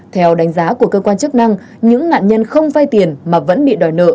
theo đánh giá của cơ quan chức năng những nạn nhân không vay tiền mà vẫn bị đòi nợ